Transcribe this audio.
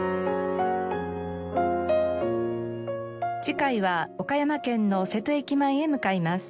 次回は岡山県の瀬戸駅前へ向かいます。